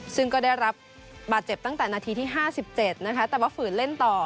ซึ่งก็ได้รับบาดเจ็บตั้งแต่นาทีที่๕๗นะคะแต่ว่าฝืนเล่นต่อ